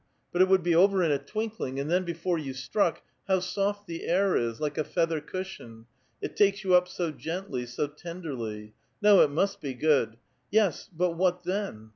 But it would be over in a twinkling; and then before you struck — how soft the air is — like a feather cushion — it takes you up so gently, so tenderly. No, it must be good. Yes, but what then